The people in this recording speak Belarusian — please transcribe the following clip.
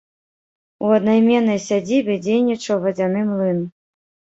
У аднайменнай сядзібе дзейнічаў вадзяны млын.